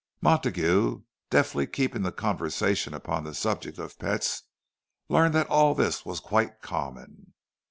Montague, deftly keeping the conversation upon the subject of pets, learned that all this was quite common.